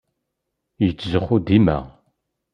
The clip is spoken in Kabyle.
Yettzuxxu dima.